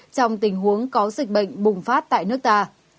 trong tình huống có dịch bệnh bùng phát tại nước ta